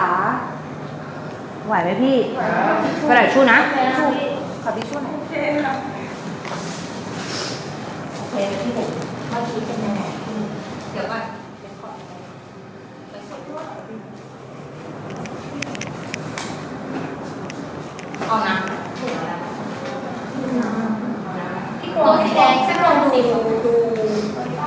สวัสดีค่ะพี่ช่วยหน่อย